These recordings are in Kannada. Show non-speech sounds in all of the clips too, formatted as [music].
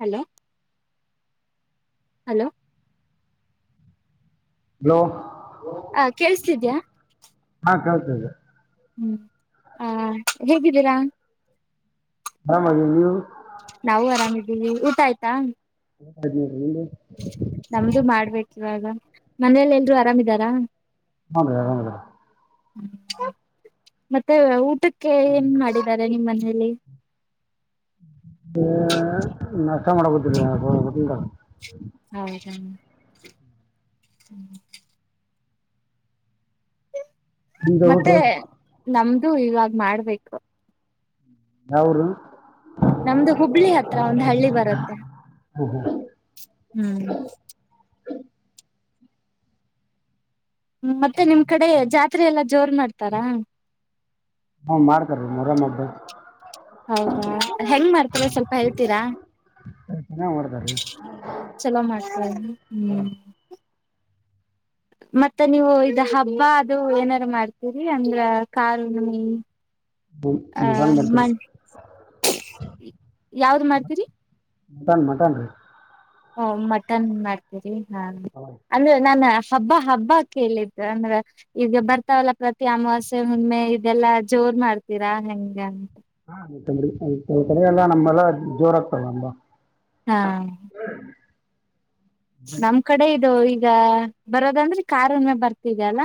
ಹಲೋ ಹಲೋ ಹಲೋ ಹ ಕೇಳ್ಸ್ತಿದ್ಯಾ [unintelligible] ಹ್ಮ್ ಆ ಹೇಗಿದ್ದೀರಾ. ಅರಾಮ್ ಅದೀವ್ ನೀವು ನಾವು ಆರಾಮಿದ್ದೀವಿ ಊಟ ಆಯ್ತಾ. ಆಯ್ತ್ ನೋಡ್ರಿ ನಿಮ್ದು ನಮ್ದು ಮಾಡ್ಬೇಕ್ ಇವಾಗ ಮನೇಲೆಲ್ರು ಆರಾಮಿದಾರ. ಹಾ [unintelligible] ಅರಾಮಿದಾರೆ. ಮತ್ತೆ ಊಟಕ್ಕೆ ಏನ್ ಮಾಡಿದ್ದಾರೆ ನಿಮ್ಮ್ ಮನೇಲಿ, ಏ ನಾಷ್ಟ ಮಾಡಕುದಿಲ್ಲ [unintelligible] ಹೌದಾ ಹ್ಮ ನಿಮ್ದು ಮತ್ತೆ ಊಟ್ರಿ ನಮ್ದು ಇವಾಗ್ ಮಾಡ್ಬೇಕು. ಯಾವುರು ನಮ್ದು ಹುಬ್ಳಿ ಹತ್ರ ಒಂದ್ ಹಳ್ಳಿ ಬರತ್ತೆ. ಹ್ಞೂ ಹ್ಞೂ ಹ್ಮ್ ಮತ್ತೆ ನಿಮ್ ಕಡೆ ಜಾತ್ರೆ ಎಲ್ಲಾ ಜೋರ್ ಮಾಡ್ತಾರಾ. ಹ್ಮ ಮಾಡ್ತಾರಿ ಮೊರಮ್ಮ್ ಹಬ್ಬ. ಹೌದಾ ಹೆಂಗ್ ಮಾಡ್ತರೆ ಸ್ವಲ್ಪ ಹೇಳ್ತೀರಾ. ಚೆನ್ನಾಗಿ ಮಾಡ್ತಾರೆ ರೀ ಚಲೋ ಮಾಡ್ತಾರಿ ಹ್ಮ್ ಮತ್ತೆ ನೀವು ಇದ ಹಬ್ಬ ಅದು ಏನಾರು ಮಾಡ್ತೀರಿ ಅಂದ್ರ ಕಾರು [unintelligible] ಹ್ಞೂ ಆ ಮಟನ್ ಮ ಮಾಡ್ತಾರೆ ಯಾವ್ದ್ ಮಾಡ್ತೀರಿ. ಮಟನ್ ಮಟನ್ ರೀ ಹ ಮಟನ್ ಮಾಡ್ತೀರಿ ಹಾ ಅಂದ್ರೆ ನಾನ ಹಬ್ಬ ಹಬ್ಬ ಕೇಳಿದ್ದು ಅಂದ್ರ ಈಗ ಬರ್ತಾವಲ್ಲ ಪ್ರತಿ ಅಮಾವಾಸ್ಯೆ ಹುಣ್ಮೆ ಇದೆಲ್ಲಾ ಜೋ ರ್ ಮಾಡ್ತೀರಾ ಹೆಂಗೇ ಅನ್ ಹಾ ಕೆ ಕಡೆ ಎಲ್ಲ ನಮ್ಮಲ್ಲ ಜೋರಾಗ್ತವ್ ಅಂಬ ಹಾ ನಮ್ ಕಡೆ ಇದು ಈಗ ಬರೋದಂದ್ರೆ ಕಾರ್ ಹುಣ್ಮೆ ಬರ್ತಿದೆ ಅಲ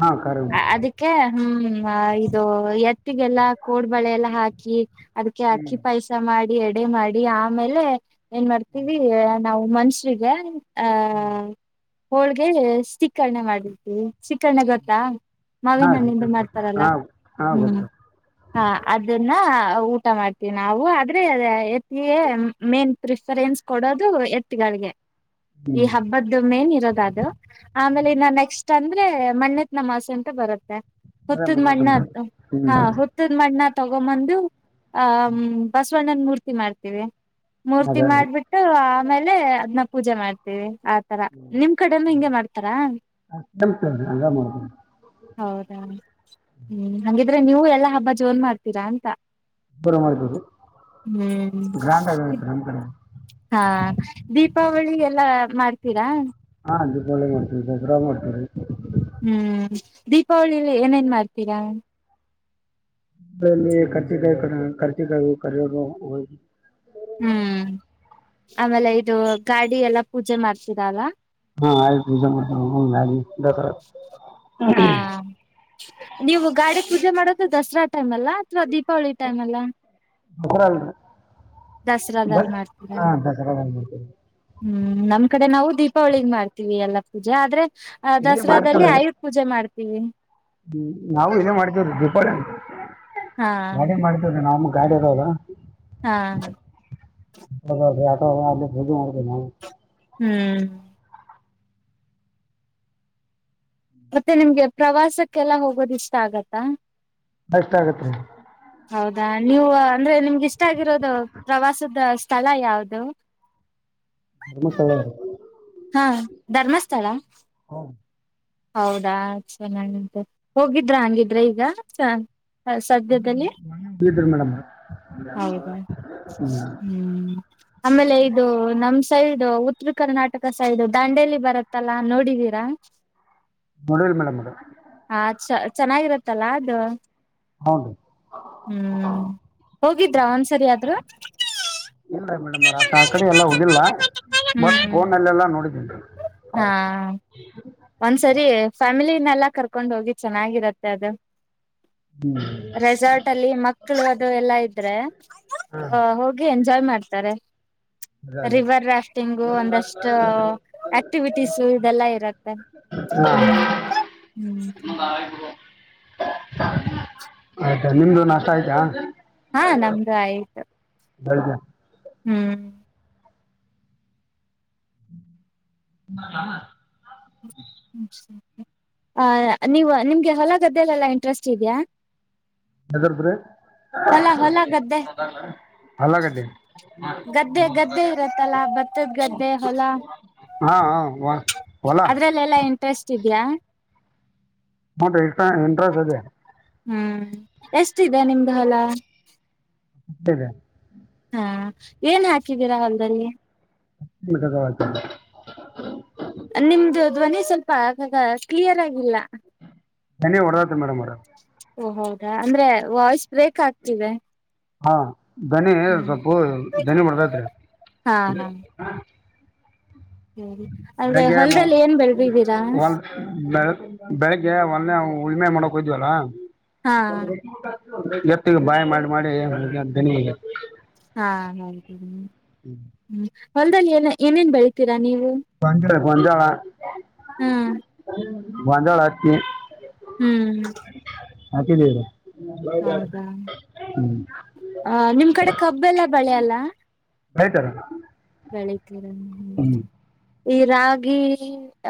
ಹಾಂ ಖಾರ ಅದಕ್ಕೆ ಹ್ಮ ಇದು ಎತ್ತಿಗೆಲ್ಲಾ ಕೋಡ್ಬಳೆ ಎಲ್ಲ ಹಾಕಿ ಅದಿಕ್ಕೆ ಅಕ್ಕಿ ಪಾಯಸ ಮಾಡಿ ಎಡೆ ಮಾಡಿ ಆಮೇಲೆ ಏನ್ ಮಾಡ್ತೀವಿ ನಾವು ಮನ್ಶ್ರಿಗೆ ಅ ಹ್ಮ್ ಹೋಳ್ಗೆ ಸಿಕ್ಕರ್ಣೆ ಮಾಡಿಲ್ತಿ ಸಿಕ್ಕರ್ಣೆ ಗೊತ್ತಾ ಮಾವಿನ ಹಾಂ ನಿಂದು ಮಾಡ್ತಾರಲ್ಲ ಹಾಂ ಹಾಂ ಹ್ಮ್ ಗೊತ್ತು ಹ ಅದನ್ನಊ ಇಷ್ಟ ಮಾಡ್ತೀವಿ ನಾವು ಆದ್ರೆ ಎತ್ತಿಗೆ ಮೇನ್ ಪ್ರಿಫರೆನ್ಸ್ ಕೊಡೋದು ಎತ್ತ್ ಗಳಿಗೆ. ಹ್ಞೂ ಈ ಹಬ್ಬದ್ದು ಮೇನ್ ಇರೋದ ಅದು ಆಮೇಲೆ ಇನ್ನ ನೆಕ್ಸ್ಟ್ ಅಂದ್ರೆ ಮಣೆ ನ ಮಾಸೆ ಅಂತ ಬರುತ್ತೆ ಅದೇ ಹುತ್ತದ ಮಣ್ಣು ಮಣ್ಣ ಹ್ಞೂ ಹಾ ಹುತ್ತದ ಮಣ್ಣ ತ ತಗೊಮ್ಮಂದು ಆ ಬಸವಣ್ಣನ ಮೂರ್ತಿ ಮಾಡ್ತೀವಿ. ಮೂರ್ತಿ ಅದೇ ಅದೇ ಮಾಡ್ಬಿಟ್ಟು ಆಮೇಲೆ ಅದ್ನ್ನ ಪೂಜೆ ಮಾಡ್ತೀವಿ. ಆತರ ನಿಮ್ ಕಡೆನು ಹಿಂಗೆ ಮಾಡ್ತಾರ ಸೇಮ್ ಸೇಮ್ ಹಂಗೆ ಮಾಡ್ತೀವಿ ಹೌದಾ ಹ್ಮ್ ಹಂಗಿ ದ್ರೆ ನೀವು ಎಲ್ಲಾ ಹಬ್ಬ ಜೋರ್ ಮಾಡ್ತೀರ ಅಂತ. ಜೋರು ಮಾಡ್ತೀವಿ ಗ್ರ್ಯಾಂಡ್ ಆಗೈತೆ ನಮ್ಮ ಕಡೆ ಹ್ಮ್ ಹಾ ದೀಪಾವಳಿ ಎಲ್ಲಾ ಮಾಡ್ತೀರಾ ಹಾ ದೀಪಾವಳಿ ಮಾಡ್ತೀರಿ ದಸರಾ ಮಾಡ್ತೀರಿ ಹ್ಮ್ ದೀಪಾವಳಿಲಿ ಏನೇನ್ ಮಾಡ್ತೀರಾ ಲ್ಲಿ ಕರ್ಚಿಕಾಯಿ ಕ ಕರ್ಚಿಕಾಯ ಕರಿಯ ಹ ಹ್ಮ್ ಆಮೇಲೆ ಇದು ಗಾಡಿ ಎಲ್ಲಾ ಪೂಜೆ ಮಾಡ್ತೀರಲ್ಲ ಹಾ ಆಯುರ್ಜ ದಖರ ಹಾ ನೀವು ಗಾಡಿ ಪೂಜೆ ಮಾಡೋದು ದಸರಾ ಟೈಮ್ ಅಲ್ಲ ಅಥವಾ ದೀಪಾವಳಿ ಟೈಮ್ ಅಲ್ಲಾ ದಸರಾಲ್ ದಸರಾದಲ್ಲಿ ಮಾಡ್ತೀರಾ ಹಾ ದಸರ ಹ್ಮ್ ನಮ್ ಕಡೆ ನಾವು ದೀಪಾವಳಿಗೆ ಮಾಡ್ತಿವಿ ಎಲ್ಲಾ ಪೂಜೆ ಆದ್ರೆ ಆ ಇಲ್ಲಿ ದಸರಾದಲ್ಲಿ ಆಯುರ್ ಪೂಜೆ ಮಾಡ್ತೀವಿ ಹ್ಮ್ ನಾವವು ಇಲ್ಲೇ ಮಾಡ್ತೇವ್ರ ಹಾ ದೀಪಾವಳಿ ಮಾಡ್ತೇವ್ರ ನಾವು ಗಾಡಿ ಇರದ ಹಾ ಹ ಹೌ ಆ ಅಜ ಮಾಡಬೇಕ ನಾವು ಹ್ಮ್ ಮತ್ತೆ ನಿಮ್ಗೆ ಪ್ರವಾಸಕ್ಕೆಲ್ಲ ಹೋಗೋದ ಇಷ್ಟ ಆಗತ್ತಾ ಬೆಸ್ಟ್ ಆಗತ್ತೆ ರೀ ಹೌದಾ ನೀವು ಅಂದ್ರೆ ನಿಮ್ಗೆಷ್ಟ ಇಷ್ಟಗಿರೋದು ಪ್ರವಾಸದ ಸ್ಥಳ ಯಾವ್ದದು ಧರ್ಮಸ್ಥಳ ಹಾ ಧರ್ಮಸ್ಥಳ ಹ ಹೌದಾ ಚೆನ್ನಾಗಂತೆ ಹೋಗಿದ್ರ ಹಂಗಿದ್ರೆ ಈಗ ಚ ಹ ಸದ್ಯದಲ್ಲಿ ಇ್ರರಿ ಮೇಡಮ್ ಹೌದಾ ಹ್ಮ್ ಆಮೇಲೆ ಇದು ನಮ ಸೈಡು ಉತ್ತರ ಕರ್ನಾಟಕ ಸೈಡು ದಾಂಡೇಲಿ ಬರತ್ತಲ್ಲಾ ನೋಡಿದೀರಾ ನೋಡಲ್ ಮೇಡಮ್ ನಡ ಚೆನ್ನಾಗಿರುತ್ತಲ್ಲಾ ಅದು ಹೌ ರೀ ಹ್ಮ್ ಹೋಗಿದ್ರ ಒಂದ್ಸರಿ ಆದ್ರು ಇಲ್ಲ ಮೇಡಮ್ತ ಆ ಕಡೆ ಎಲ್ಲ ಹೋಗಿಲ್ಲ ಮತ್ ಹ್ಮ್ ಫೋನ್ಲ್ಲೆಲ್ಲಾ ನೋಡಿದೀನಿ ಹಾ ಒಂದ್ಸರಿ ಫ್ಯಾಮಿಲಿನೆಲ್ಲಾ ಕರ್ಕೊಂಡ್ ಹೋಗಿ ಚೆನ್ನಾಗಿರತ್ತೆ ಅದು ಹ್ಮ ರೆಸಾರ್ಟ್ ಅಲ್ಲಿ ಮಕ್ಕಳು ಅದು ಎಲ್ಲಾ ಇದ್ರೆ ಹೋಗಿ ಜಾಯ್ ಮಾಡ್ತಾರೆ ಅದೇ ರಿವರ್ ರಾಫ್ಟಿಂಗು ಒಂದಷ್ಟು ಆಕ್ಟಿವಿಟೀಸು ಇದೆಲ್ಲಾ ಇರುತ್ತೆ ಹಾ ನ ಹ್ಮ್ ಆಯ್ತಾ ನಿಮ್ದು ನಾಷ್ಟ ಆಯ್ತಾ ಹಾ ನಮ್ದು ಆಯ್ತು ಹೌದ ಹ್ಮ್ ಹಾ ಆ ನೀವು ನಿಮ್ಗೆ ಹೊಲ ಗದ್ದೆಲೆೆಲ್ಲಾ ಇಂಟ್ರೆಸ್ಟ್ ಇದೆಯಾ ಹೆದ್ರೀ ಗದ್ದೆ ಅಲ್ಲ ಗಡಿ ಗದ್ದೆ ಗದ್ದೆ ಇರತ್ತಲ್ಲ ಭತ್ತದ್ ಗದ್ದೆ ಹೊಲ ಹಾಂ ಹಾಂ ವ ಹೊಲ ಅದ್ರಲ್ಲ ಎಲ್ಲಾ ಇಂಟ್ರೆಸ್ಟ್ ಇದ್ಯಾ ಮ ಇಂಟ್ರೆಸ್ಟ್ ಅದೆ ಹ್ಮ್ ಎಷ್ಟಿದೆ ನಿಮ್ದು ಹೊಲ ಹದ ಹಾ ಏನ್ ಹಾಕಿದ್ದೀರಾ ಹೊಲ್ದಲ್ಲಿ ಮಾಡ್ತ ನಿಮ್ದು ಧ್ವನಿ ಸ್ವಲ್ಪ ಆಗಾಗ ಕ್ಲಿಯರ್ ಆಗಿಲ್ಲ ನನ ಹೊಡದಾತ ಮೇಡಮ್ ಅವರ ಓ ಹೌದಾ ಅಂದ್ರೆ ವಾಯ್ಸ್ ಬ್ರೇಕ್ ಆಗ್ತಿದೆ ಹಾ ದನಿ ಹ್ಮ್ ಸ್ವಲ್ಪ ದನಿ ಮಾಡದತ್ ಹಾ ಹಾ ಸರಿ ಅಂದ್ರೆ ಬೆಗೆ ಒ ಹೊಲದಲ್ಲಿ ಏನ್ ಬೆಳದಿದ್ದೀರಾ ಒಂದು ಬೆಳ ಬೆಳಿಗ್ಗೆ ಒಂದನೆ ಉಳಮೆ ಮಾಡಕ್ ಹ್ದವಲ್ಲ ಹಾ ಎತ್ತಿಿಗೆ ಬಾಯ ಮಾಡಿ ಮಾಡಿನ ಹಾ ಹೌ ಹ್ಮ ಹೊಲ್ದಲ್ಲಿ ಏ ಏನೇನ್ ಬೆಳತೀರಾ ನೀ ನೀವು ಬಜಾಳ ಹಾ ಬಜಳ ಹಕ್ಕೆ ಹ್ಮ್ ಹತಿದ್ದೀವೀ ಹೌದಾ ಆ ನಿಮ್ ಕಡೆ ಕಬ್ಬೆಲ್ಲ ಬೆಳೆಲ್ಲ ಆಯ್ತಾರ ಬೆಳಗೆ ಹ ಈ ರಾಗಿ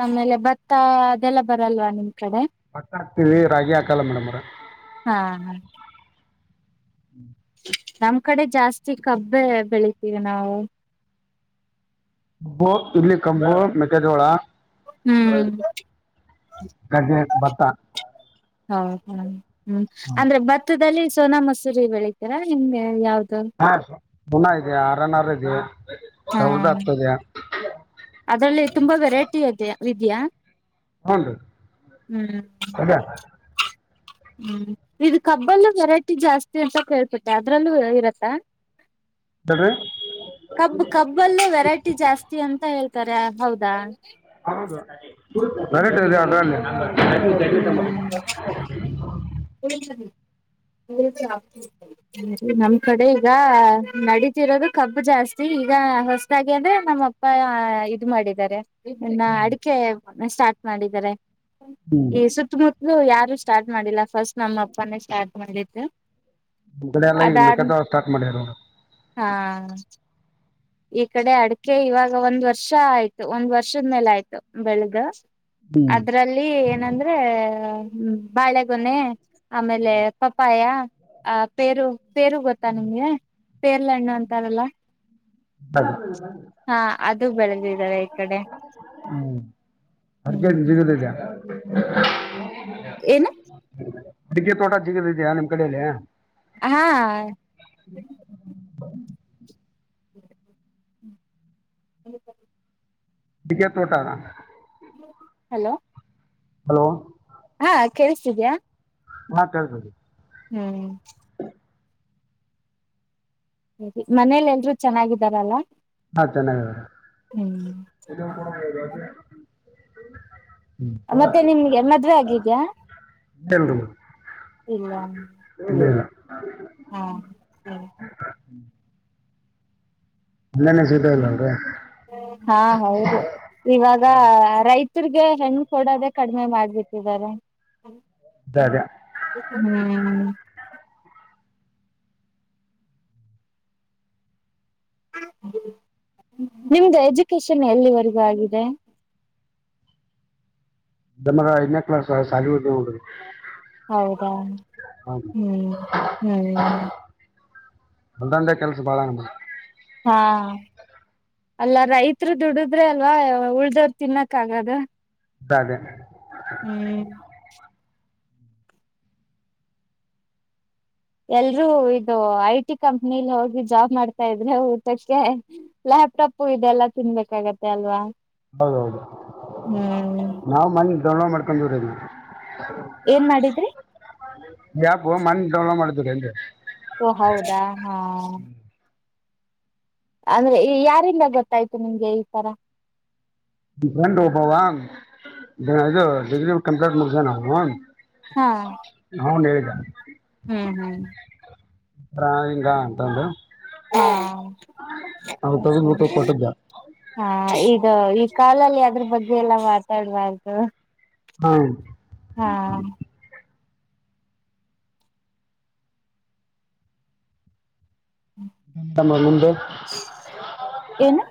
ಆಮೇಲೆ ಭತ್ತ ಅದೆಲ್ಲ ಬರಲ್ವಾ ನಿಮ್ಗೆ ಭಟ್ಟ ಹಾಕ್ತವಿ ರಾಗಿ ಹಾಕಲ್ಲ ಮೇಡಮ್ರ ಹಾ ನಮ್ ಕಡೆ ಜಾಸ್ತಿ ಕಬ್ಬೆ ಬೆಳಿತೀವಿ ನಾವು ಬ್ಬ ಇಡ್ಲ್ಲಿ ಕಂಬು ಮೆಥಜೋಳ ಹ್ಮ್ ಕಡ್ಲೆ, ಬತ್ತ ಹ ಹಾ ಹ್ಮು ಅಂದ್ರೆ ಭತ್ತದಲ್ಲಿ ಸೋನಾ ಮಸೂರಿ ಬೆಳಿತೀರಾ ಹೆಂಗೆ ಯಾವ್ದ. ಹಾ [unintelligible] ಆರನಾರ ಇದ್. ಹಾ ಅದರಲ್ಲಿ ತುಂಬಾ ವೆರೈಟಿ ಅದೇ ಇದೇಯಾ. ಹುನ್ರಿ ಅದೇ. ಹ್ಮು ಇದು ಕಬ್ಬಲ್ಲಿ ವೆರೈಟಿ ಜಾಸ್ತಿ ಅಂತ ಕೇಳ್ಪಿಟ್ಟೆ ಅದ್ರಲ್ಲೂ ಇರತ್ತಾ. ಹೇಳ್ರಿ ಕಬ್ಬ ಕಬ್ಬಲ್ಲೂ ವೆರೈಟಿ ಜಾಸ್ತಿ ಅಂತ ಹೇಳ್ತ ತರ ಹೌದಾ. ಹೌದು ಹ್ಮ್ ಹ್ಮ್ [unintelligible] [unintelligible] ನಮ್ ಕಡೆ ಈಗ ನಡೀತಿರೋದು ಕಬ್ಬ ಜಾಸ್ತಿ. ಈಗ ಹೊಸದಾಗಿ ಅಂದ್ರೆ ನಮ್ಮ ಅಪ್ಪ ಇದ ಮಾಡಿದ್ದಾರೆ. ನ್ನ ಅಡಿಕೆ ಸ್ಟಾರ್ಟ್ ಮಾಡಿದ್ದಾರೆ ಈ ಸುತ್ತಮುತ್ತಲು ಯಾರ ಸ್ಟಾರ್ಟ್ ಮಾಡಿಲ್ಲ ಫಸ್ಟ್ ನಮ್ಮ ಅಪ್ಪನೇ ಸ್ಟಾರ್ಟ್ ಮಾಡಿದ್ದು. ಕಡೆ ಎಲ್ಲ ಈಗ ಅದಾದ್ ಮೆಕ್ಕೆಜೋಳ ಸ್ಟಾರ್ಟ್ ಮಾಡ್ಯಾರ ಹಾ. ಈ ಕಡೆ ಅಡಕೆ ಇವಾಗ ಒಂದ್ ವರ್ಷ ಆಯ್ತು ಒಂದ್ ವರ್ಷದ ಮೇಲೆ ಆಯ್ತು ಬೆಳದ. ಹ್ಞೂ ಅದ್ರಲ್ಲಿ ಏನಂದ್ರೆ ಬಾಳೆಗೊನ್ನೆ ಆಮೇಲೆ ಪಪ್ಪಾಯ ಆ ಪೇರು. ಪೇರು ಗೊತ್ತಾ ನಿಮ್ಗೆ ಪೇರ್ಲೆ ಹಣ್ಣು ಅಂತಾರಲ್ಲ. ಹ್ಞೂ ಹಾ ಅದು ಬೆಳೆದಿದ್ದಾರೆ ಈ ಕಡೆ. ಹ್ಮ್ ಏನು [unintelligible] ಅಡಿಕೆ ತೋಟ ಜಿಗದಿದೇಯಾ ನಿಮ್ ಕಡೆಯಲ್ಲಿ. ಹಾ ಎ ಸರಿ. ಅಡಿಕೆ ತೋಟಾ. ಹಲೋ ಹಲೋ ಹಾ ಕೇಳಸ್ತೀದೆಯಾ. ಹಾ ಕೇಳ್ಸಿ ಹ್ಮು ಹ್ಮು ಹ್ಮು ಮನೇಲಿ ಎಲ್ರು ಚೆನ್ನಾಗಿದಾರಲ್ಲ. ಹಾ ಚನ್ನಾಗಿದ್ದರೆ. ಹ್ಮ್ ಮತ್ತೆ ನಿಮ್ಗೆ ಮದ್ವೆ ಆಗಿದೇಯಾ. ಇಲ್ಲ ಇಲ್ಲ ಇಲ್ಲ ಹು ಹು. ಇಲ್ಲೇನೆ ಸೀಟ ಇಲ್ಲ ಅಲ್ರಿ ಹಾ ಹೌದು ಇವಾಗ ರೈತ ರ್ಗೆ ಹೆಣ್ಣ್ ಕೊಡೋದೆ ಕಡಿಮೆ ಮಾಡ್ಬಿಟ್ಟಿದ್ದಾರೆ. ಅದೇ ಅದೇ ಹ್ಮು ಹ್ಮು. ನಿಮ್ದ ಎಜುಕೇಶನ್ ಎಲ್ಲಿವರೆಗೂ ಆಗಿದೆ. ನಮ್ಮ ಐದನೇ ಕ್ಲಾಸ್ ಶಾಲಿ [unintelligible] ಹೌದಾ ಹೌದು ಹ್ಮು ಹ್ಮು. ಹೊಲದಾನಂದ್ ಕೆಲ್ಸ ಬಾಳ ಆಗಾನ ಹಾ ಅಲ್ಲ ರೈತ್ರರು ದುಡುದ್ರೆ ಅಲ್ವಾ ಉಳ್ದವ್ರ ತಿನ್ನಕ್ ಆಗದ. ತ್ತದೆ ಹ್ಮು ಎಲ್ರೂ ಇದು ಐ-ಟಿ ಕಂಪ್ನಿಲಿ ಹೋಗಿ ಜಾಬ್ ಮಾಡ್ತಾ ಇದ್ರೆ ಊಟಕ್ಕೆ ಲಾ ಲ್ಯಾಪ್ಟಾಪ್ ಇದೆಲ್ಲ ತಿನ್ಬೇಕಾಗತ್ತೆ ಅಲ್ವಾ. ಹೌದ ಹೌದು ಹ್ಮ್ ನಾವು ಮನ್ನಿ [unintelligible] ಮಾಡ್ಕೊಂಡಿವ್ರಿ ಅಲ್ಲಿ. ಏನ್ ಮಾಡಿದ್ರಿ. ಯಾಪು ಮನ್ವಲ ಮಾಡಿದ್ರ ಅನ್ ಓ ಹೌದಾ ಹಾ ಅಂದ್ರೆ ಈ ಯಾರಿಂದ ಗೊತ್ತಾಯ್ತು ನಿಮ್ಗೆ ಈ ತರ ಂಡ ಒಬ್ಬವ ಇದು ಡಿಗ್ರಿ ಕಂಪ್ಲೀಟ್ ಮುಗೇನ ಹಾ ಹೌನ್ ಹೇಳಿದ ಹ್ಮ್ ಹ್ಮ್ ಾ ಹಿಂಗ ಅಂತ ಒಂದು ಹಾ ನಾವು ತೆಗೆದ್ಬಿಟ್ಟು ಕೊಟ್ಟಿದ್ದೆ ಹಾ ಅ ಈ ಕಾಲಲ್ಲಿ ಅದ್ರ ಬಗ್ಗೆ ಎಲ್ಲ ಮಾತಾಡಬಾರ್ದು ಹ್ಮ್ ಮೇಡ ಮುಂದೆ ಏನು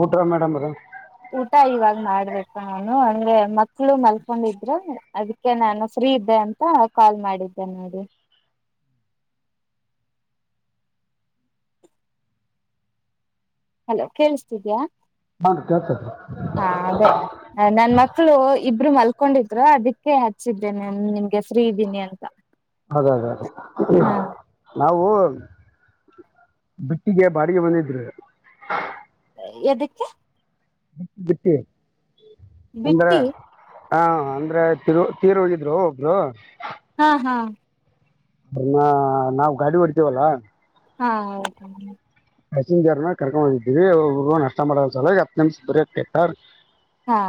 ಊಟ್ರ ಮೇಡರ ಊಟ ಇವಾಗ್ ಮಾಡ್ಬೇಕ ನಾನು ಅಂದ್ರೆ ಮಕ್ಳು ಮಲ್ಕೊಂಡಿದ್ರ ಅದಕ್ಕೆ ಅ ಅಂತ ಕಾಲ್ ಮಾಡಿದ್ದೆ ನೋಡಿ ಹಲೋ ಕೇಳಿಸತಿದ್ಯಾ ಹಾಂ ಕೇಳ್ತದೆ ಹಾ ಅದೇ ನನ್ ಮಕ್ಕಳು ಇಬ್ರು ಮಲ್ಕೊಂಡಿದ್ರು ಅದಕ್ಕೆ ಹಚ್ಚಿದ್ದೆನೆಾನು ನಿಮ್ಗೆ ಫ್ರೀ ಇದ್ದೀನಿ ಅಂತ ಅದೇ ಅದೇ ಅದೇ ಹಾ ನಾವು ಬಿಟ್ಟಿಗೆ ಬಾಡಿಗೆ ಬಂದಿದ್ರು ಎದಕ್ಕೆ ಬಿಟ್ಟ ಬಿಟ್ಟೆ ಬಿಟ್ಟಿ ಹಾ ಅಂದ್ರೆ ತಿರು ತೀರು ಹೋಗಿದ್ರು ಹೋಗರು ಹಾ ಹಾ ಅನ್ನ ನಾವವು್ ಗಾಡಿ ಹೊಡ್ತೀವಲ್ಲಾ ಹಾ ಹೌದ ಪ್ಯಸೆಂಜರ್ನ ಕರ್ಕೊಂಡ್ ಹೋಗಿದೀವಿಗ ನಷ್ಟ ಮಾಡ ಸಲ ಹ ನಿಮಿಷ ಬರಿ ಕೆಟ್ಟ ಹಾ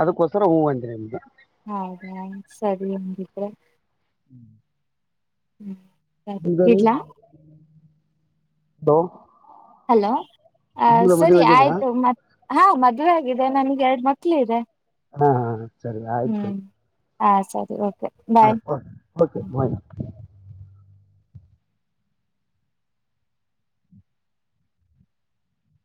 ಅದಕ್ಕೋಸ್ರ ಹೂವು ಅಂದ್ರೆ ನಿಮ್ದಗೆ ಹೌದಾ ಸರಿ ಹಂಗಿದ್ರೆ ಹ್ಮ್ ಹ್ಮ ಸರಿ ಇಡ್ಲ ಹಲ ಹಲೋ ಆ ಸರಿ ಆಯ್ತು ಮತ್ ಹಾ ಮದ್ುವೆ ಆಗಿದೆ ನನ್ಗೆ ಎರಡ್ ಮಕ್ಳು ಇದೆ ಹಾ ಹಾ ಸರಿ ಆಯ್ತು ಹ ಸರಿ ಓಕೆ ಹ ಬಾಯ್. ಹ ಹೌಕೆ ಮ